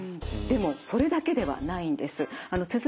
でもそれだけではないんです。